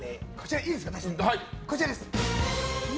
こちらです！